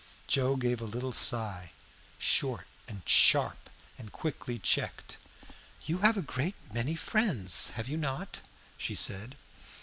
Joe gave a little sigh, short and sharp, and quickly checked. "You have a great many friends, have you not?" she said.